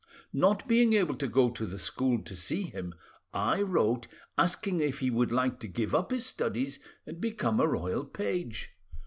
Not being able to go to the school to see him, I wrote, asking if he would like to give up his studies and become a royal page.